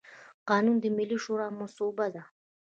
قانون د ملي شورا مصوبه ده.